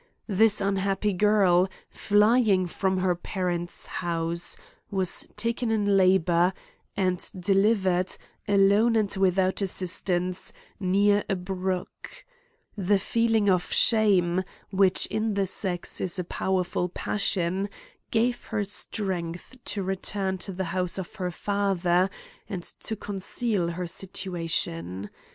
This unhappy girl, flying from her parents house, was taken in labour, and X 162 A COMMENTARY ON delivered, alone and without assistance, near a brook. The feeling of shame, which in the sex is a powerful passion, gave her strength to return to the house of her father, and to conceal her si tuation.